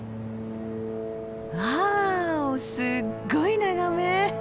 わあすっごい眺め！